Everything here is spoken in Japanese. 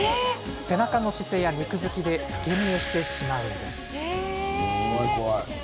背中の姿勢や肉づきで老け見えしてしまうんです。